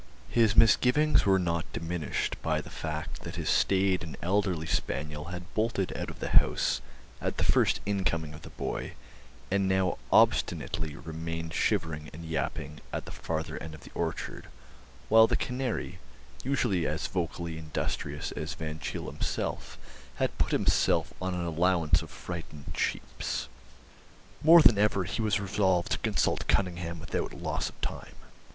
His misgivings were not diminished by the fact that his staid and elderly spaniel had bolted out of the house at the first incoming of the boy, and now obstinately remained shivering and yapping at the farther end of the orchard, while the canary, usually as vocally industrious as Van Cheele himself, had put itself on an allowance of frightened cheeps. More than ever he was resolved to consult Cunningham without loss of time.